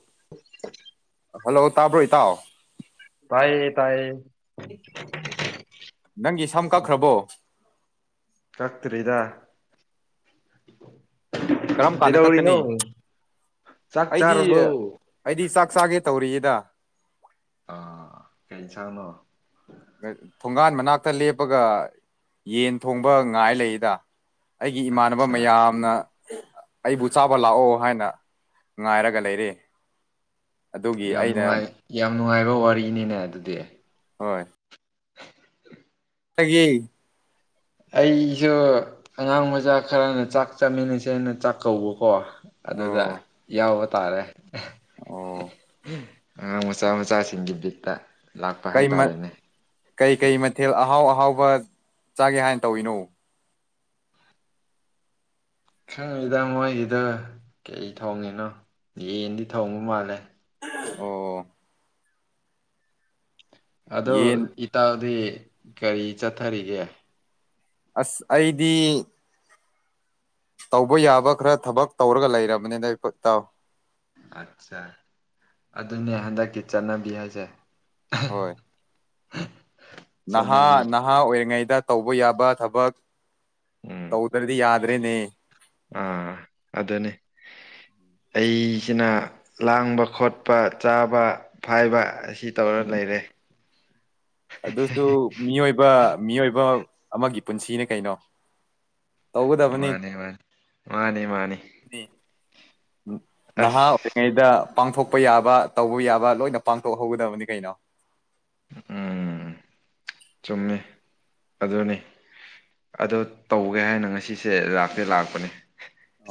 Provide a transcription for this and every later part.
[unintelligible] Hello ꯇꯥꯕ꯭ꯔꯣ ꯏꯇꯥꯎ ꯇꯥꯏꯌꯦ ꯇꯥꯏꯌꯦ ꯅꯪꯒꯤ ꯁꯝ ꯀꯛꯈ꯭ꯔꯕꯣ ꯀꯛꯇ꯭ꯔꯤꯗꯥ꯫ ꯀꯔꯝ ꯀꯥꯟꯗ ꯀꯩꯗꯧꯔꯤꯅꯣ ꯀꯛꯀꯅꯤ ꯆꯥꯛ ꯑꯩꯗꯤ ꯆꯔꯥꯕꯣ ꯑꯩꯗꯤ ꯆꯥꯛ ꯆꯥꯒꯦ ꯇꯧꯔꯤꯌꯦꯗ ꯑꯥ ꯀꯩ ꯏꯟꯁꯥꯡ ꯅꯣ ꯅꯦ ꯊꯣꯡꯒꯥꯟ ꯃꯅꯥꯛꯇ ꯂꯦꯞꯄꯒ ꯌꯦꯟ ꯊꯣꯡꯕ ꯉꯥꯏ ꯂꯩꯗ ꯑꯩꯒꯤ ꯏꯃꯥꯟꯅꯕ ꯑꯠꯆꯥ ꯃꯌꯥꯝꯅ ꯑꯩꯕꯨ ꯆꯥꯕ ꯂꯥꯛꯑꯣ ꯍꯥꯏꯅ ꯉꯥꯏꯔꯒ ꯂꯩꯔꯦ ꯑꯗꯨꯒꯤ ꯌꯥꯝ ꯑꯩꯅ ꯅꯨꯡꯉꯥꯏ ꯌꯥꯝ ꯅꯨꯡꯉꯥꯏꯕ ꯋꯥꯔꯤꯅꯤꯅꯦ ꯑꯗꯨꯗꯤ ꯍꯣꯏ ꯀꯩꯒꯤ ꯑꯩꯁꯨ ꯑꯉꯥꯡ ꯃꯆꯥ ꯈꯔꯅ ꯆꯥꯛ ꯆꯥꯃꯤꯟꯅꯁꯦ ꯅ ꯆꯥꯛ ꯀꯧꯕꯀꯣ ꯑꯗꯨꯗ ꯑꯣ ꯌꯥꯎꯕ ꯇꯥꯔꯦ ꯑꯣ ꯑꯉꯥꯡ ꯃꯆꯥ ꯃꯆꯥꯁꯤꯡꯒꯤ ꯕꯤꯠꯇ ꯂꯥꯛꯄ ꯍꯥꯏꯇꯥꯔꯦꯅꯦ ꯀꯩ ꯀꯩ ꯃꯊꯦꯜ ꯑꯍꯥꯎ ꯑꯍꯥꯎꯕ ꯆꯥꯒꯦ ꯍꯥꯏꯟ ꯇꯧꯔꯤꯅꯣ ꯈꯪꯗꯦꯗ ꯃꯣꯏꯒꯤꯗ ꯀꯔꯤ ꯊꯣꯡꯉꯤꯅꯣ ꯌꯦꯟꯗꯤ ꯊꯣꯡꯕ ꯃꯥꯜꯂꯦ ꯑꯣ ꯑꯗꯣ ꯌꯦꯟ ꯏꯇꯥꯎꯗꯤ ꯀꯔꯤ ꯆꯠꯊꯔꯤꯒꯦ ꯑꯁ ꯑꯩꯗꯤ ꯇꯧꯕ ꯌꯥꯕ ꯈꯔ ꯊꯕꯛ ꯇꯧꯔꯒ ꯂꯩꯔꯕꯅꯤꯅꯦ ꯀꯦ ꯇꯥꯎ ꯑꯠꯆꯥ ꯑꯗꯨꯅꯦ ꯍꯟꯗꯛꯀꯤ ꯆꯠꯅꯕꯤ ꯍꯥꯏꯁꯦ ꯍꯣꯏ ꯅꯍꯥ ꯆꯠꯅꯕꯤ ꯅꯍꯥ ꯑꯣꯏꯔꯤꯉꯩꯗ ꯇꯧꯕ ꯌꯥꯕ ꯊꯕꯛ ꯎꯝ ꯇꯧꯗ꯭ꯔꯗꯤ ꯌꯥꯠ ꯍꯣꯔꯦꯟ ꯅꯦ ꯑꯥ ꯑꯗꯨꯅꯦ ꯑꯩꯁꯤꯅ ꯂꯥꯡꯕ ꯈꯣꯠꯄ ꯆꯥꯕ ꯐꯥꯏꯕ ꯑꯁꯤ ꯇꯧꯔ ꯂꯩꯔꯦ ꯑꯗꯨꯁꯨ ꯃꯤꯑꯣꯏꯕ ꯃꯤꯑꯣꯏꯕ ꯑꯃꯒꯤ ꯄꯨꯟꯁꯤꯅꯦ ꯀꯩꯅꯣ ꯇꯧꯒꯗꯕꯅꯤ ꯃꯥꯅꯦ ꯃꯥꯅꯦ ꯃꯥꯅꯦ ꯃꯥꯅꯦ ꯅꯍꯥ ꯑꯁ ꯇꯤꯉꯩꯗ ꯄꯥꯡꯊꯣꯛꯄ ꯌꯥꯕ ꯇꯧꯕ ꯌꯥꯕ ꯂꯣꯏꯅ ꯄꯥꯡꯊꯣꯛꯍꯧꯒꯗꯕꯅꯤ ꯀꯩꯅꯣ ꯎꯝ ꯆꯨꯝꯃꯤ ꯑꯗꯨꯅꯤ ꯑꯗꯣ ꯇꯧꯒꯦ ꯍꯥꯏꯅ ꯉꯁꯤꯁꯦ ꯂꯥꯛꯇꯤ ꯂꯥꯛꯄꯅꯦ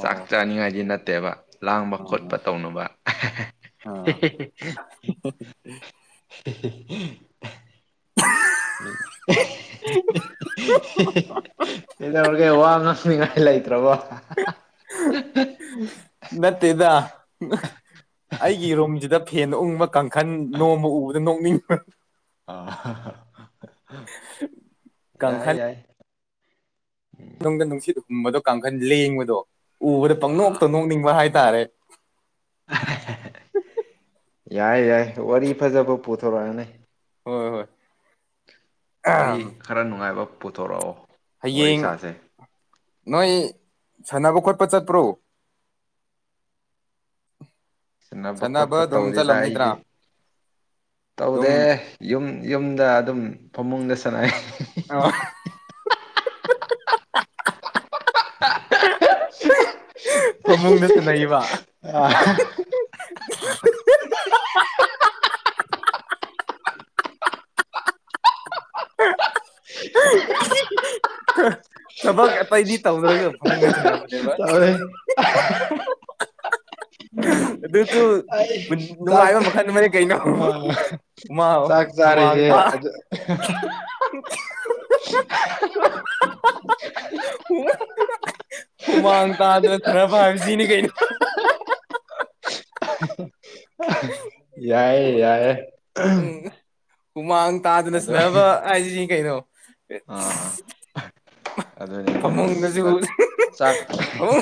ꯆꯥꯛ ꯆꯥꯅꯤꯉꯥꯏꯗꯤ ꯅꯠꯇꯦꯕ ꯂꯥꯡꯕ ꯎꯝ ꯈꯣꯠꯄ ꯇꯧꯅꯕ ꯎꯝ [unintelligible] [unintelligible] ꯀꯩꯗꯧꯔꯒꯦ ꯋꯥ ꯉꯥꯡꯅꯤꯡꯉꯥꯏ ꯂꯩꯇ꯭ꯔꯕꯣ ꯅꯠꯇꯦꯗ ꯑꯩꯒꯤ ꯔꯨꯝꯁꯤꯗ ꯐꯦꯟ ꯎꯪꯕ ꯀꯥꯡꯈꯟ ꯅꯣꯝꯕ ꯎꯕꯗ ꯅꯣꯛꯅꯤꯡꯕ ꯑ ꯌꯥꯏ ꯀꯥꯡꯈꯟ ꯌꯥꯏ ꯅꯨꯡꯗ ꯅꯨꯡꯁꯤꯠ ꯍꯨꯝꯕꯗꯣ ꯀꯥꯡꯒꯟ ꯂꯦꯡꯕꯗꯣ ꯎꯕꯗ ꯑ ꯄꯪꯅꯣꯛꯇ ꯅꯣꯛꯅꯤꯡꯕ ꯍꯥꯏꯇꯥꯔꯦ ꯌꯥꯏ ꯌꯥꯏ ꯋꯥꯔꯤ ꯐꯖꯕ ꯄꯨꯊꯣꯔꯣꯅꯦ ꯍꯣꯏ ꯍꯣꯏ ꯋꯥꯔꯤ ꯈꯔ ꯅꯨꯡꯉꯥꯏꯕ ꯄꯨꯊꯣꯔꯣꯑꯣ ꯍꯌꯦꯡ ꯅꯣꯏ ꯁꯥꯟꯅꯕ ꯈꯣꯠꯄ ꯆꯠꯄ꯭ꯔꯣ ꯁꯟꯅꯕ ꯈꯣꯠꯄ ꯁꯥꯟꯅꯕ ꯑꯗꯨꯝ ꯇꯧꯗꯦꯗ ꯑꯩꯗꯤ ꯆꯠꯂꯝꯅꯤꯗ꯭ꯔꯥ ꯑꯗꯨꯝ ꯇꯧꯗꯦ ꯌꯨꯝ ꯌꯨꯝꯗ ꯑꯗꯨꯝ ꯐꯃꯨꯡꯗ ꯁꯥꯟꯅꯩ ꯑ [unintelligible] ꯐꯃꯨꯡꯗ ꯁꯅꯩꯕ ꯑ [unintelligible] ꯊꯕꯛ ꯑꯇꯩꯗꯤ ꯇꯧꯗ꯭ꯔꯒ ꯐꯃꯨꯡꯒ ꯁꯅꯕ [unintelligible] ꯑꯗꯨꯖꯨ ꯑꯩ ꯆꯥꯛ ꯅꯨꯡꯉꯥꯏꯕ ꯃꯈꯟ ꯑꯃꯅꯤ ꯀꯩꯅꯣ ꯑ ꯃꯥꯎ ꯆꯥꯛ ꯍꯨꯃꯥꯡ ꯆꯥꯔꯤꯁꯦ ꯇꯥ ꯑꯗꯨ [unintelligible] ꯍꯨꯃꯥꯡ ꯇꯥꯗꯅ ꯁꯅꯕ ꯍꯥꯏꯕ ꯁꯤꯅꯤ ꯀꯩꯅꯣ [unintelligible] ꯌꯥꯏꯌꯦ ꯌꯥꯏꯌꯦ ꯎꯝ ꯍꯨꯃꯥꯡ ꯇꯥꯗꯅ ꯑꯗꯨ ꯁꯅꯕ ꯍꯥꯏꯖꯤ ꯁꯤꯅꯤ ꯀꯩꯅꯣ ꯑꯗꯨꯅꯦ ꯐꯃꯨꯡꯗꯁꯨ [unintelligible] ꯆꯥꯛ ꯐꯃꯨꯡ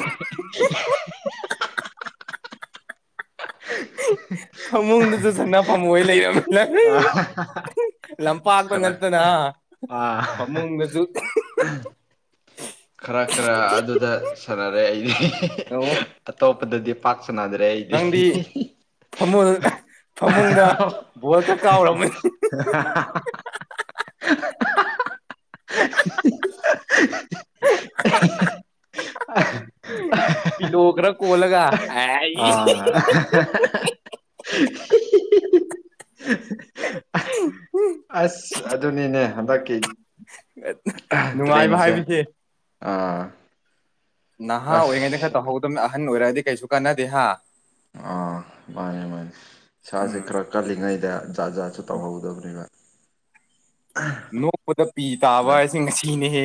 ꯐꯃꯨꯡꯗꯁꯨ ꯁꯅ ꯐꯝ ꯑꯣꯏ ꯂꯩꯔꯝꯃꯤꯅ ꯂꯝꯄꯥꯛꯇ ꯈꯔ ꯅꯠꯇꯅ ꯑꯥ ꯐꯃꯨꯡꯗꯁꯨ ꯈꯔ ꯈꯔ ꯑꯗꯨꯗ ꯁꯥꯟꯅꯔꯦ ꯑꯩꯗꯤ ꯑꯣ ꯑꯇꯣꯞꯄꯗꯗꯤ ꯄꯥꯛ ꯁꯅꯗ꯭ꯔꯦ ꯑꯩꯗꯤ ꯐꯃꯨ ꯐꯃꯨꯡꯗ ꯕꯣꯜꯀ ꯀꯥꯎꯔꯝꯃꯅꯤ [unintelligible] [unintelligible] [unintelligible] ꯄꯤꯂꯣ ꯈꯔ ꯀꯣꯜꯂꯒ [unintelligible] ꯑꯩ ꯑꯥ [unintelligible] ꯍꯤ ꯍꯤꯍꯤ [unintelligible] ꯑꯥꯁ ꯑꯗꯨꯅꯤꯅꯦ ꯍꯟꯗꯛꯀꯤ ꯅꯨꯡꯉꯥꯏꯕ ꯇ꯭ꯔꯦꯟꯁꯦ ꯍꯥꯏꯕꯁꯦ ꯑꯥ ꯅꯍꯥ ꯑꯣꯏꯔꯤꯉꯩꯗ ꯈꯔ ꯑꯁ ꯇꯧꯍꯧꯗꯝꯅꯤ ꯑꯍꯟ ꯑꯣꯏꯔꯛꯑꯗꯤ ꯀꯩꯁꯨ ꯀꯥꯟꯅꯥꯗꯦ ꯍꯥ ꯑꯥ ꯃꯥꯅꯦ ꯃꯥꯅꯦ ꯏꯁꯥꯁꯦ ꯈꯔ ꯀꯜꯂꯤꯉꯩꯗ ꯖꯥꯠ ꯖꯥꯠꯁꯨ ꯇꯧꯍꯧꯗꯥꯕꯅꯦꯕ ꯅꯣꯛꯄꯗ ꯄꯤ ꯇꯥꯕ ꯍꯥꯏꯁꯦ ꯉꯥꯁꯤꯅꯦꯍꯦ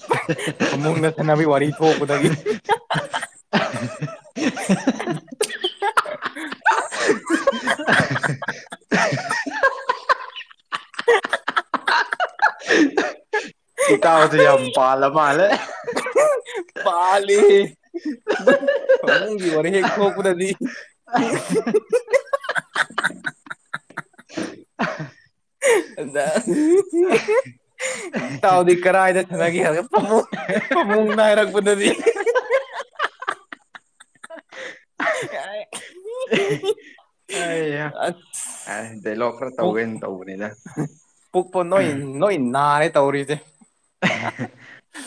[unintelligible] ꯈꯠꯅꯕꯤ ꯋꯥꯔꯤ ꯊꯣꯛꯄꯗꯒꯤ [unintelligible] [unintelligible] ꯏꯇꯥꯎꯁꯦ ꯌꯥꯝ ꯄꯥꯜꯂꯥ ꯃꯥꯜꯂꯦ ꯄꯥꯜꯂꯤꯍꯦ ꯐꯃꯨꯡꯒꯤ ꯋꯥꯔꯤ ꯍꯦꯛ ꯊꯣꯛꯄꯗꯥꯂꯤ [unintelligible] ꯏꯇꯥꯎꯗꯤ ꯀꯔꯥꯏꯗ ꯁꯥꯟꯅꯒꯦ ꯍꯥꯏꯔꯒꯥ ꯐꯃꯨꯡ ꯐꯃꯨꯡꯗ ꯍꯥꯏꯔꯛꯄꯥꯗꯨꯗꯤ ꯑꯥ ꯑꯩꯌꯥ ꯑꯁ ꯑꯦ ꯗꯩꯂꯣꯛ ꯈꯔ ꯇꯧꯒꯦꯅ ꯇꯧꯕꯅꯤꯗ ꯄꯨꯛꯄ ꯅꯣꯏ ꯅꯣꯏ ꯅꯥꯔꯦ ꯇꯧꯔꯤꯖꯦ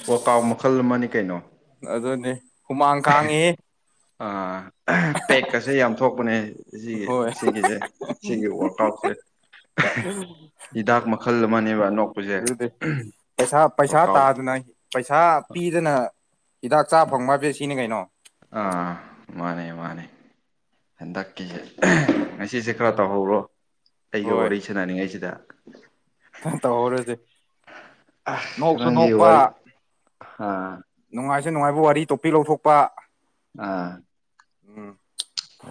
ꯋꯥꯛꯀꯥꯎ ꯃꯈꯜ ꯑꯃꯅꯤ ꯀꯩꯅꯣ ꯑꯗꯨꯅꯦ ꯍꯨꯃꯥꯡ ꯀꯥꯡꯉꯦꯍꯦ ꯑꯥ ꯄꯦꯛꯀꯁꯦ ꯌꯥꯝ ꯊꯣꯛꯄꯅꯦ ꯁꯤꯒꯤ ꯍꯣꯏ ꯁꯤꯒꯤꯖꯦ ꯁꯤꯒꯤ ꯋꯥꯛꯑꯥꯎꯁꯦ [unintelligible] ꯍꯤꯗꯥꯛ ꯃꯈꯜ ꯑꯃꯅꯦꯕꯥ ꯅꯣꯛ [unintelligible] ꯄꯩꯁꯥ ꯄꯩꯁꯥ ꯇꯥꯗꯥꯅ ꯄꯩꯁꯥ ꯄꯤꯗꯅ ꯍꯤꯗꯥꯛ ꯆꯥ ꯐꯪꯕ [unintelligible] ꯁꯤꯅꯤ ꯀꯩꯅꯣ ꯑꯥ ꯃꯥꯅꯦ ꯃꯥꯅꯦ ꯍꯟꯗꯥꯛꯀꯤ ꯉꯁꯤꯁꯦ ꯈꯔ ꯇꯧꯍꯧꯔꯣ ꯑꯩꯒ ꯋꯥꯔꯤ ꯁꯥꯟꯅꯅꯤꯡꯉꯥꯏꯁꯤꯗꯥ ꯅꯪ ꯇꯧꯍꯧꯔꯣ ꯑꯗꯨꯗꯤ ꯅꯣꯛꯁꯨ ꯅꯪꯒꯤ ꯅꯣꯛꯄ ꯋꯥꯔꯤ ꯑꯥ ꯅꯨꯡꯉꯥꯏꯁꯨ ꯅꯨꯡꯉꯥꯏꯕ ꯋꯥꯔꯤ ꯇꯣꯄꯤꯛ ꯂꯧꯊꯣꯛꯄꯥ ꯑꯥ ꯎꯝ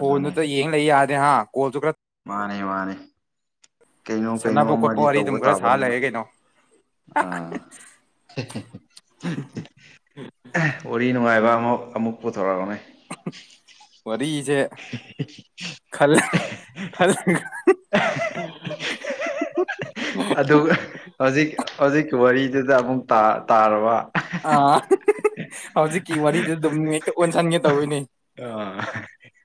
ꯑꯗꯨꯅꯦ ꯌꯦꯡ ꯂꯩ ꯌꯥꯗꯦ ꯍꯥ ꯀꯣꯜꯁꯨ ꯈꯔ ꯃꯥꯅꯦ ꯃꯥꯅꯦ ꯀꯩꯅꯣ ꯀꯩꯅꯣ ꯁꯥꯟꯅꯕ ꯈꯣꯠꯄ ꯑꯃꯗꯤ ꯋꯥꯔꯤ ꯇꯧꯕ ꯑꯗꯨꯝ ꯈꯔ ꯁꯥꯔ ꯇꯥꯕꯅꯤꯅꯦ ꯂꯩꯔꯦ ꯀꯩꯅꯣ ꯑꯥ ꯋꯥꯔꯤ ꯅꯨꯡꯉꯥꯏꯕ ꯑꯃ ꯑꯃꯨꯛ ꯄꯨꯊꯣꯔꯛꯑꯣꯅꯦ ꯋꯥꯔꯤꯁꯦ ꯈꯜꯂꯥ ꯈꯜꯂꯥꯒ [unintelligible] ꯑꯗꯨꯒ ꯍꯧꯖꯤꯛ ꯍꯧꯖꯤꯛꯀꯤ ꯋꯥꯔꯤꯗꯨꯗ ꯑꯃꯨꯛ ꯇꯥ ꯇꯥꯔꯥꯕ ꯍꯥ ꯍꯧꯖꯤꯛꯀꯤ ꯋꯥꯔꯤꯗꯨ ꯑꯗꯨꯝ ꯍꯦꯛꯇꯥ ꯑꯣꯟꯁꯟꯒꯦ ꯇꯧꯋꯤꯅꯦ ꯑꯥ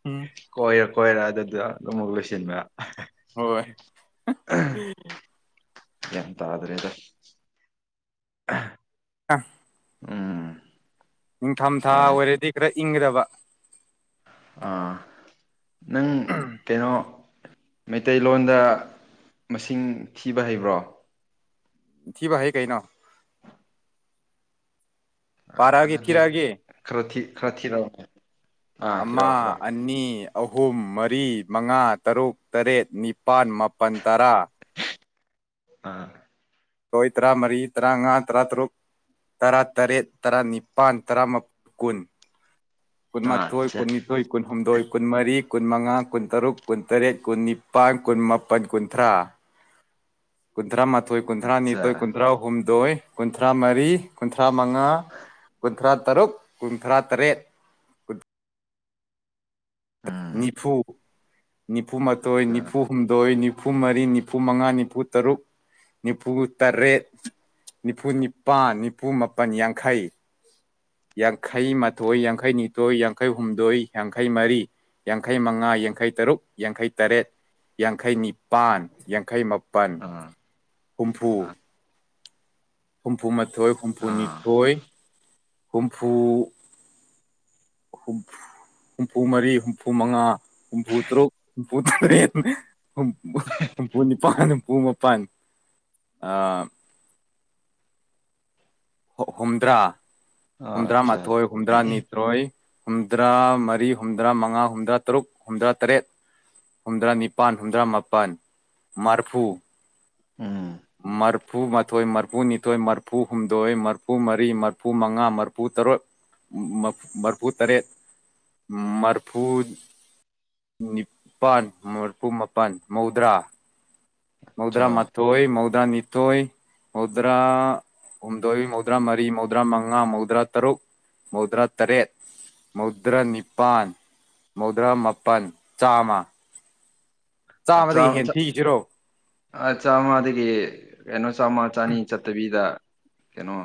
ꯎꯝ ꯀꯣꯏꯔ ꯀꯣꯏꯔ ꯑꯗꯨꯗ ꯑꯗꯨꯃꯛ ꯂꯣꯏꯁꯤꯟꯕ ꯍꯣꯏ ꯒꯌ꯭ꯥꯟ ꯇꯥꯗ꯭ꯔꯦꯗ ꯑ ꯑ ꯎꯝ ꯅꯤꯡꯊꯝꯊꯥ ꯁꯥꯏ ꯑꯣꯏꯔꯗꯤ ꯈꯔ ꯏꯪꯒꯗꯕ ꯑ ꯅꯪ ꯀꯩꯅꯣ ꯃꯩꯇꯩꯂꯣꯟꯗ ꯃꯁꯤꯡ ꯊꯤꯕ ꯍꯩꯕ꯭ꯔꯣ ꯊꯤꯕ ꯍꯩ ꯀꯩꯅꯣ ꯑ ꯄꯥꯔꯛꯑꯒꯦ ꯑꯗꯨꯗꯤ ꯊꯤꯔꯛꯑꯒꯦ ꯈꯔ ꯊꯤ ꯈꯔ ꯊꯤꯔꯛꯑꯣꯅꯦ ꯑꯥ ꯑꯃ ꯊꯤꯔꯛꯑꯣ ꯊꯤꯔꯛꯑꯣ ꯑꯅꯤ ꯑꯍꯨꯝ ꯃꯔꯤ ꯃꯉꯥ ꯇꯔꯨꯛ ꯇꯔꯦꯠ ꯅꯤꯄꯥꯟ ꯃꯥꯄꯟ ꯇꯔꯥ ꯑꯥ ꯔꯣꯏ ꯇꯔꯥꯃꯔꯤ ꯇꯔꯥꯉꯥ ꯇꯔꯥꯇꯔꯨꯛ ꯇꯔꯥꯇꯔꯦꯠ ꯇꯔꯥꯅꯤꯄꯥꯟ ꯇꯔꯥꯃꯥ ꯀꯨꯟ ꯑꯥ ꯀꯨꯟꯃꯥꯊꯣꯏ ꯑꯆꯥ ꯀꯨꯟꯅꯤꯊꯣꯏ ꯀꯨꯟꯍꯨꯝꯗꯣꯏ ꯀꯨꯟꯃꯔꯤ ꯀꯨꯟꯃꯉꯥ ꯀꯨꯟꯇꯔꯨꯛ ꯀꯨꯟꯇꯔꯦꯠ ꯀꯨꯟꯅꯤꯄꯥꯟ ꯀꯨꯟꯃꯥꯄꯟ ꯀꯨꯟꯊ꯭ꯔꯥ [inaudible] ꯀꯨꯟꯊ꯭ꯔꯥ ꯃꯥꯥꯊꯣꯏ ꯀꯨꯟꯊ꯭ꯔꯥ ꯑꯆꯥ ꯅꯤꯊꯣꯏ ꯀꯨꯟꯊ꯭ꯔꯥ ꯍꯨꯝꯗꯣꯏ ꯀꯨꯟꯊ꯭ꯔꯥ ꯃꯔꯤ ꯀꯨꯟꯊ꯭ꯔꯥ ꯃꯉꯥ ꯀꯨꯟꯊ꯭ꯔꯥ ꯇꯔꯨꯛ ꯀꯨꯟꯊ꯭ꯔꯥ ꯇꯔꯦꯠ ꯎꯝ ꯅꯤꯐꯨ ꯅꯤꯐꯨ ꯃꯥꯊꯣꯏ ꯑꯆꯥ ꯅꯤꯐꯨ ꯍꯨꯝꯗꯣꯏ ꯅꯤꯐꯨ ꯃꯔꯤ ꯅꯤꯐꯨꯃꯉꯥ ꯅꯤꯐꯨ ꯇꯔꯨꯛ ꯅꯤꯐꯨꯇꯔꯦꯠ ꯅꯤꯐꯨ ꯅꯤꯄꯥꯟ ꯅꯤꯐꯨ ꯃꯥꯄꯟ ꯌꯥꯡꯈꯩ ꯌꯥꯡꯈꯩ ꯃꯥꯊꯣꯏ ꯌꯥꯡꯈꯩ ꯅꯤꯊꯣꯏ ꯌꯥꯡꯈꯩ ꯍꯨꯝꯗꯣꯏ ꯌꯥꯡꯈꯩ ꯃꯔꯤ ꯌꯥꯡꯈꯩ ꯃꯉꯥ ꯌꯥꯡꯈꯩ ꯇꯔꯨꯛ ꯌꯥꯡꯈꯩ ꯇꯔꯦꯠ ꯌꯥꯡꯈꯩ ꯅꯤꯄꯥꯟ ꯌꯥꯡꯈꯩ ꯃꯄ ꯄꯟ ꯑꯥ ꯍꯨꯝꯐꯨ ꯑꯥ ꯍꯨꯝꯐꯨꯃꯥꯊꯣꯏ ꯍꯨꯝꯐꯨꯅꯤꯊꯣꯏ ꯍꯨꯝꯐꯨ ꯍꯨꯝꯐ ꯍꯨꯝꯐꯨ ꯃꯔꯤ ꯍꯨꯝꯐꯨꯃꯉꯥ ꯍꯨꯝꯐꯨꯇꯥꯔꯨꯛ ꯍꯨꯝꯐꯨꯇꯔꯦꯠ ꯍꯨꯝ ꯍꯨꯝꯐꯨꯅꯤꯄꯟ [unintelligible] ꯃꯄꯟ ꯑꯥ ꯍꯨꯝꯗ꯭ꯔꯥ ꯑꯥ ꯑꯆꯥ ꯍꯨꯝꯗ꯭ꯔꯥꯃꯥꯊꯣꯏ ꯍꯨꯝꯗ꯭ꯔꯥꯅꯤꯊꯣꯏ ꯍꯨꯝꯗ꯭ꯔꯥ ꯃꯔꯤ ꯍꯨꯝꯗ꯭ꯔꯥ ꯃꯉꯥ ꯍꯨꯝꯗ꯭ꯔꯥ ꯇꯔꯨꯛ ꯍꯨꯝꯗ꯭ꯔꯥ ꯇꯔꯦꯠ ꯍꯨꯝꯗ꯭ꯔꯥ ꯅꯤꯄꯥꯟ ꯍꯨꯝꯗ꯭ꯔꯥ ꯃꯥꯄꯟ ꯃꯔꯐꯨ ꯎꯝ ꯃꯔꯐꯨꯃꯥꯊꯣꯏ ꯃꯔꯐꯨꯅꯤꯊꯣꯏ ꯃꯔꯐꯨ ꯍꯨꯝꯗꯣꯏ ꯃꯔꯐꯨ ꯃꯔꯤ ꯃꯔꯐꯨꯃꯉꯥ ꯃꯔꯐꯨꯇꯔꯨꯛ ꯃꯔꯐꯨꯇꯔꯦꯠ ꯃꯔꯐꯨ ꯅꯤꯄꯥꯟ ꯃꯔꯐꯨ ꯃꯥꯄꯟ ꯃꯧꯗ꯭ꯔꯥ ꯑꯆꯥ ꯃꯧꯗ꯭ꯔꯥ ꯃꯊꯣꯏ ꯃꯧꯗ꯭ꯔꯥ ꯅꯤꯊꯣꯏ ꯃꯧꯗ꯭ꯔꯥ ꯍꯨꯝꯗꯣꯏ ꯃꯧꯗ꯭ꯔꯥ ꯃꯔꯤ ꯃꯧꯗ꯭ꯔꯥ ꯃꯉꯥ ꯃꯧꯗ꯭ꯔꯥ ꯇꯔꯨꯛ ꯃꯧꯗ꯭ꯔꯥ ꯇꯔꯦꯠ ꯃꯧꯗ꯭ꯔ ꯅꯤꯄꯥꯟ ꯃꯧꯗ꯭ꯔ ꯃꯥꯄꯟ ꯆꯥꯃ ꯆꯥꯝꯃ ꯊꯤꯈꯤꯁꯤꯔꯣ ꯑꯥ ꯆꯥꯃꯗꯒꯤ ꯀꯩꯅꯣ ꯆꯥꯝꯃ ꯆꯅꯤ ꯆꯠꯇꯕꯤꯗ ꯀꯩꯅꯣ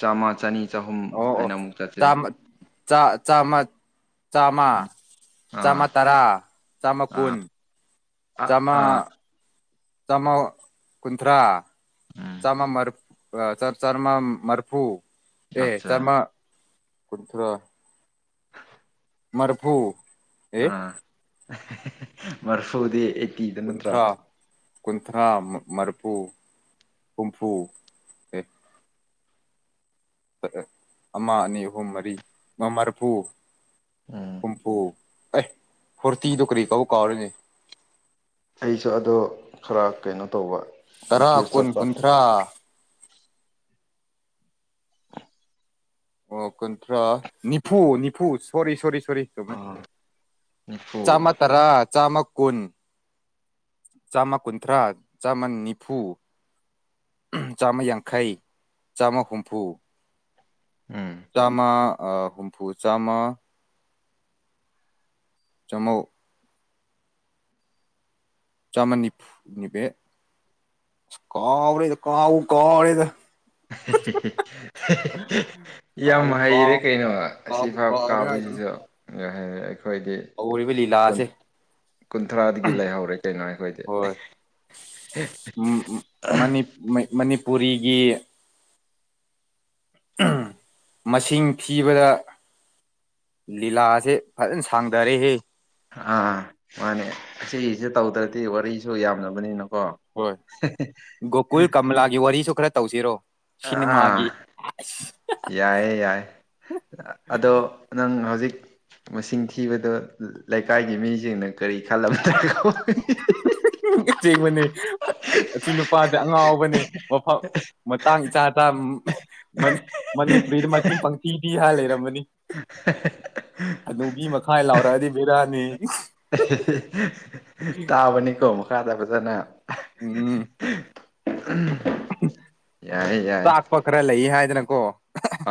ꯆꯥꯝꯃ ꯆꯅꯤ ꯆꯍꯨꯝ ꯍꯥꯏꯅ ꯑꯃꯨꯛ ꯆꯠꯁꯤꯟꯅ ꯆꯥ ꯆꯥꯝꯃ ꯆꯥꯝꯃ ꯆꯥꯝꯃ ꯑꯥ ꯇꯔꯥ ꯆꯥꯝꯃ ꯀꯨꯟ ꯑꯥ ꯑ ꯆꯥꯝꯃ ꯑꯥ ꯆꯥꯝꯃ ꯀꯨꯟꯊ꯭ꯔꯥ ꯎꯝ ꯆꯥꯝꯃ ꯃ꯭ꯔ ꯑ ꯆ ꯆꯔꯃ ꯃꯔꯐꯨ ꯑꯦ ꯑꯠꯆꯥ ꯆꯝꯃ ꯀꯨꯟꯊ꯭ꯔ ꯃ꯭ꯔꯐꯨ ꯑꯥ [unintelligible] ꯃꯔꯐꯨꯗꯤ ꯅꯠꯇ꯭ꯔꯣ ꯀꯨꯟꯊ꯭ꯔꯥ ꯀꯨꯟꯊ꯭ꯔꯥ ꯃꯔꯐꯨ ꯍꯨꯝꯐꯨ ꯑꯦ [unintelligible] ꯑꯃ ꯑꯅꯤ ꯑꯍꯨꯝ ꯃꯔꯤ ꯃ ꯃ꯭ꯔꯐꯨ ꯎꯝ ꯍꯨꯝꯐꯨ ꯑꯩ ꯐꯣꯔꯇꯤ ꯗꯨ ꯀꯔꯤ ꯀꯧꯕ ꯀꯥꯎꯔꯦꯅꯦ ꯑꯩꯁꯨ ꯑꯗꯣ ꯈꯔ ꯀꯩꯅꯣ ꯇꯧꯕ ꯇꯔꯥ ꯀꯟꯐ꯭ꯌꯨꯁ ꯀꯨꯟ ꯆꯠꯄ ꯀꯨꯟꯊ꯭ꯔꯥ ꯑꯣ ꯀꯟꯇ꯭ꯔꯥ ꯅꯤꯐꯨ ꯅꯤꯐꯨ ꯁꯣꯔꯤ ꯁꯣꯔꯤ ꯁꯣꯔꯤ [unintelligible] ꯑꯥ ꯅꯤꯐꯨ ꯆꯥꯝꯃ ꯇꯔꯥ ꯆꯥꯝꯃ ꯀꯨꯟ ꯆꯥꯝꯃ ꯀꯨꯟꯊ꯭ꯔꯥ ꯆꯥꯝꯃ ꯅꯤꯐꯨ [unintelligible] ꯆꯥꯝꯃ ꯌꯥꯡꯈꯩ ꯆꯥꯝꯃ ꯍꯨꯝꯐꯨ ꯎꯝ ꯆꯥꯃ ꯍꯨꯝꯐꯨ ꯆꯥꯝꯃ ꯆꯃꯧ ꯆꯃꯟꯅꯤꯐꯨ ꯅꯤꯄꯦ ꯀꯥꯎꯔꯦꯗ ꯀꯥꯎꯕꯨ ꯀꯥꯎꯔꯦꯗ [unintelligible] ꯌꯥꯝ ꯀꯥꯎꯕꯨ ꯍꯩꯔꯦ ꯀꯥꯎ ꯀꯩꯅꯣ ꯀꯥꯎꯕꯨ ꯑꯁꯤꯐꯥꯎ ꯀꯥꯎꯔꯦ ꯍꯥꯏꯗꯨꯅꯤ ꯀꯥꯎꯕꯁꯤꯖꯨ ꯑꯈꯣꯏꯗꯤ ꯍꯧꯔꯤꯕ ꯂꯤꯂꯥꯥꯁꯦ ꯀꯨꯟꯊ꯭ꯔꯥꯗꯒꯤ ꯂꯩꯍꯧꯔꯦ ꯀꯩꯅꯣ ꯑꯈꯣꯏꯗꯤ ꯍꯣꯏ [unintelligible] ꯃꯩ ꯃꯅꯤꯄꯨꯔꯤꯒꯤ [unintelligible] ꯃꯁꯤꯡ ꯊꯤꯕꯗ ꯂꯤꯂꯥꯁꯦ ꯐꯖꯟ ꯁꯥꯡꯗꯔꯦꯍꯦ ꯑꯥ ꯃꯥꯅꯦ ꯁꯤꯒꯤꯖꯦ ꯇꯧꯗ꯭ꯔꯗꯤ ꯋꯥꯔꯤꯁꯨ ꯌꯥꯝꯗꯕꯅꯤꯅꯀꯣ ꯍꯣꯏ ꯒꯣꯀꯨꯜ ꯀꯃꯂꯥꯒꯤ ꯋꯥꯔꯤꯁꯨ ꯈ꯭ꯔ ꯇꯧꯁꯤꯔꯣ ꯑꯥ ꯁꯤꯅꯦꯃꯥꯒꯤ ꯌꯥꯏꯌꯦ ꯌꯥꯏ ꯑꯗꯣ ꯅꯪ ꯍꯧꯖꯤꯛ ꯃꯁꯤꯡ ꯊꯤꯕꯗꯣ ꯂꯩꯀꯥꯏꯒꯤ ꯃꯤꯖꯤꯡꯅ ꯀꯔꯤ ꯈꯜꯂꯝꯒꯅꯤꯀꯣ [unintelligible] [unintelligible] ꯑꯁꯦꯡꯕꯅꯦ ꯑꯁꯤ ꯅꯨꯄꯥꯗꯤ ꯑꯉꯥꯎꯕꯅꯦ ꯃꯐꯝ ꯃꯇꯥꯡ ꯏꯆꯥ ꯆꯥ ꯃꯅꯤ ꯃꯅꯤꯄꯨꯔꯤꯗ ꯃꯁꯤꯡ ꯄꯪꯊꯤ ꯊꯤ ꯍꯥꯏ ꯂꯩꯔꯝꯃꯅꯤ [unintelligible] ꯑꯗꯨ ꯃꯤ ꯃꯈꯥꯏ ꯂꯥꯎꯔꯛꯑꯗꯤ ꯕꯤꯔꯥꯅꯤ [unintelligible] ꯇꯥꯕꯅꯤꯀꯣ ꯃꯈꯥꯗ ꯐꯖꯅ ꯎꯝ [unintelligible] ꯌꯥꯏ ꯌꯥꯏ ꯆꯥꯛ ꯄ ꯈꯔ ꯂꯩ ꯍꯥꯏꯗꯅꯀꯣ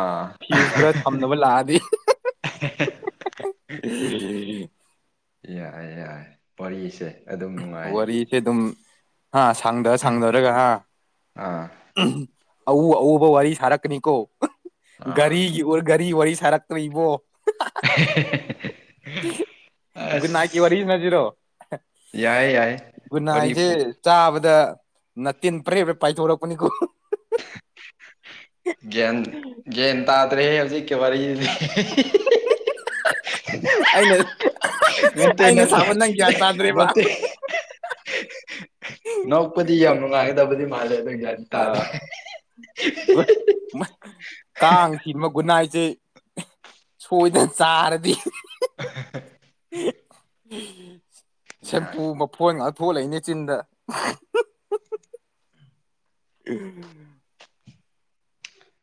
ꯑꯥ ꯐꯤꯌꯨꯁ ꯈꯔ ꯊꯝꯅꯕ ꯂꯥꯛꯑꯗꯤ [unintelligible] [unintelligible] ꯌꯥꯢ ꯌꯥꯢ ꯋꯥꯔꯤꯁꯦ ꯑꯗꯨꯝ ꯅꯨꯡꯉꯥꯏ ꯋꯥꯔꯤꯁꯦ ꯑꯗꯨꯝ ꯍꯥ ꯁꯥꯡꯗ ꯁꯥꯡꯗꯔꯒ ꯍꯥ ꯑꯥ [unintelligible] ꯑꯎ ꯑꯎꯕ ꯋꯥꯔꯤ ꯁꯥꯔꯛꯀꯅꯤꯀꯣ ꯑꯥ ꯒꯥꯔꯤꯒꯤ ꯒꯥꯔꯤ ꯋꯥꯔꯤ ꯁꯥꯔꯛ ꯇ꯭ꯔꯤꯕꯣ [unintelligible] ꯒꯨꯟꯅꯥꯏꯛꯀꯤ ꯑꯁ ꯋꯥꯔꯤ ꯁꯥꯁꯤꯔꯣ ꯌꯥꯏ ꯌꯥꯏ ꯋꯥꯔꯤ ꯒꯨꯟꯅꯥꯏꯖꯦ ꯄꯨ ꯆꯥꯕꯗ ꯅꯇꯤꯟ ꯄ꯭ꯔꯦ ꯄ꯭ꯔꯦ ꯄꯥꯏꯊꯣꯔꯛꯄꯅꯤꯀꯣ ꯒ꯭ꯌꯟ ꯒ꯭ꯌꯥꯟ ꯇꯥꯗ꯭ꯔꯦ ꯍꯧꯖꯤꯛꯀꯤ ꯋꯥꯔꯤꯖꯤꯗꯤ [unintelligible] ꯑꯩꯅ ꯅꯠꯇꯦ ꯑꯩꯅ ꯅꯠꯇꯦ ꯁꯥꯕ ꯅꯪ ꯒ꯭ꯌꯥꯟ [unintelligible] ꯇꯥꯗ꯭ꯔꯦꯕ ꯅꯠꯇꯦ [unintelligible] [unintelligible] ꯅꯣꯛꯄꯗꯤ ꯌꯥꯝ ꯅꯨꯡꯉꯥꯏꯒꯗꯕꯗꯤ ꯃꯥꯜꯂꯦ ꯑꯗꯨꯝ ꯌꯥꯏ ꯑ ꯒꯨꯠ ꯃꯥ ꯀꯥꯡꯁꯤꯃ ꯒꯨꯟꯅꯥꯏꯁꯦ ꯑꯦ ꯁꯣꯏꯗꯅ ꯆꯥꯔꯗꯤ ꯌꯥꯏ ꯁꯦꯝꯄꯨ ꯃꯐꯣꯟ ꯉꯥꯛ ꯊꯣꯛꯍꯂꯛꯏꯅꯦ ꯆꯤꯟꯗ ꯎꯝ